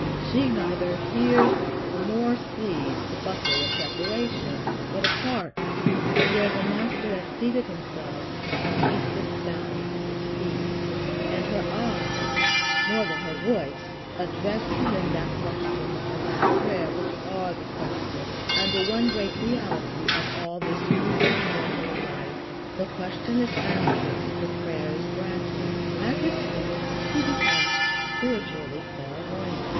She neither hears nor sees the bustle of preparation; but apart, where the Master has seated himself, she sits down at his feet, and her eyes, more than her voice, address to him that question and that prayer which are the question and the one great reality of all this fleeting, mortal life. The question is answered; the prayer is granted. At his feet she becomes spiritually clairvoyant.